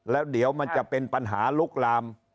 แล้วเดี๋ยวมันจะเป็นปัญหาลุกลาม